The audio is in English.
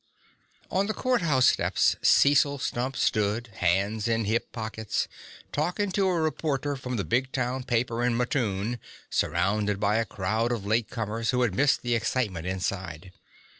On the courthouse steps Cecil Stump stood, hands in hip pockets, talking to a reporter from the big town paper in Mattoon, surrounded by a crowd of late comers who had missed the excitement inside.